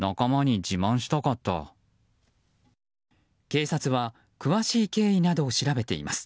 警察は詳しい経緯などを調べています。